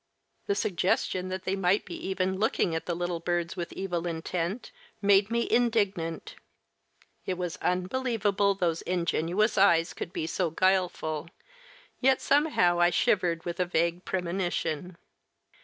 The suggestion that they might be even looking at the little birds with evil intent, made me indignant; it was unbelievable those ingenuous eyes could be so guileful, yet somehow I shivered with a vague premonition.